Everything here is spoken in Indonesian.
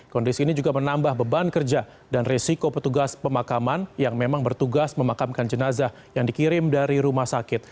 kondisi ini juga menambah beban kerja dan resiko petugas pemakaman yang memang bertugas memakamkan jenazah yang dikirim dari rumah sakit